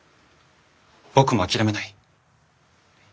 僕も諦めない。